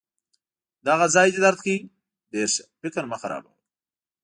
دغه ځای دي درد کوي؟ ډیر ښه! فکر مه خرابوه.